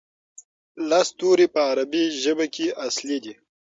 لس توري په عربي ژبه کې اصلي دي.